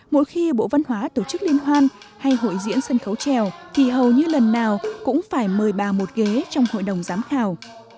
mỗi khi bộ văn hóa tổ chức liên hoan hay hội diễn sân khấu trèo thì hầu như lần nào cũng phải mời bà một ghế trong hội đồng giám khảo